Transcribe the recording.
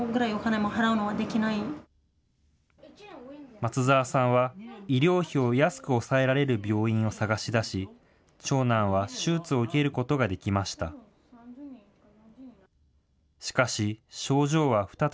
松澤さんは、医療費を安く抑えられる病院を探し出し、長男は手術を受けることができました。